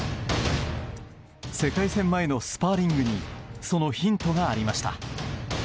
世界戦前のスパーリングにそのヒントがありました。